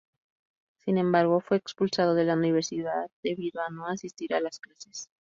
Sin embargo fue expulsado de la universidad debido a no asistir a las clases.